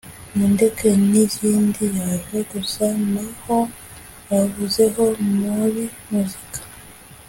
Mundeke nizindi yaje gusa naho abuzeho muri muzika